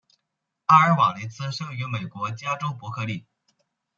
阿尔瓦雷茨生于美国加州伯克利。